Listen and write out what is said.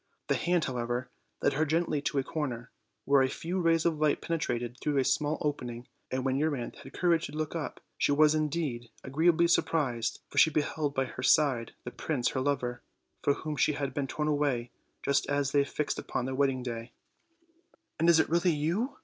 The hand, however, led her gently to a corner, where a few rays of light penetrated through a small opening, and when Euryanthe had courage to look up she was, indeed, agreeably surprised, for she beheld by her side the prince her lover, from whom she had been torn away just as they had fixed upon their wedding day. 48 OLD, OLD FAIRY TALES. "And is it really you?"